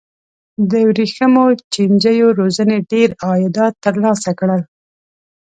د ورېښمو چینجیو روزنې ډېر عایدات ترلاسه کړل.